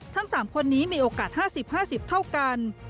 ทั้ง๓คนนี้มีโอกาส๕๐๕๐เท่ากัน